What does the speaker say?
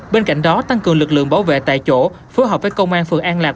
bên cạnh đó tăng cường lực lượng bảo vệ tại chỗ phối hợp với công an phường an lạc